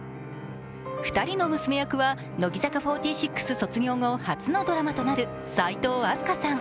２人の娘役は乃木坂４６卒業後初のドラマとなる齋藤飛鳥さん。